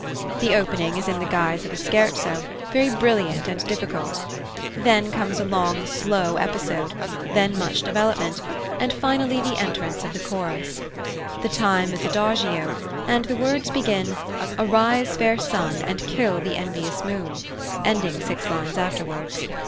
The opening is in the guise of a scherzo, very brilliant and difficult; then comes a long slow episode; then much development; and finally the entrance of the chorus. The time is adagio, and the words begin, "Arise, fair sun, and kill the envious moon," ending six lines afterwards.